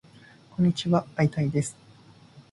こんにちはーー会いたいです